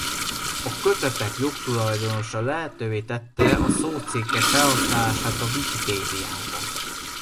A kötetek jogtulajdonosa lehetővé tette a szócikkek felhasználását a Wikipédiában.